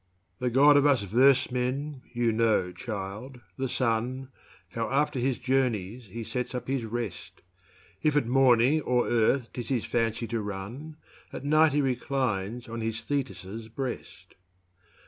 The god of us verse men (you know child) the sun, How after his journeys he sets up his rest: If at morning o'er earth 'tis his fancy to run; At night he reclines on his Thetis's breast.